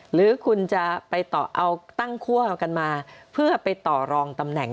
หรือคุณจะไปต่อเอาตั้งคั่วกันมาเพื่อไปต่อรองตำแหน่ง